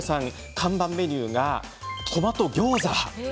看板メニューがトマトギョーザ。